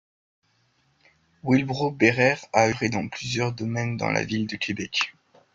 Wilbrod Bherer a œuvré dans plusieurs domaines dans la ville de Québec.